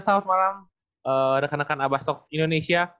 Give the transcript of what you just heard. selamat malam rekan rekan abastok indonesia